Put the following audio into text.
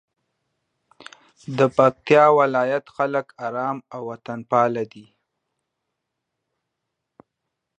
د پکتیکا ولایت خلک آرام او وطنپاله دي.